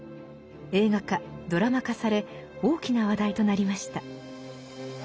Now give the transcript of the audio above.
映画化ドラマ化され大きな話題となりました。